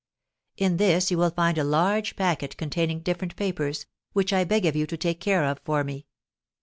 In this you will find a large packet containing different papers, which I beg of you to take care of for me.